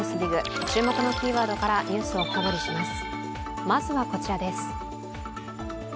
注目のキーワードからニュースを深掘りします。